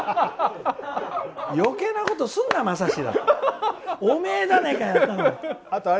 余計なことすんな、まさし！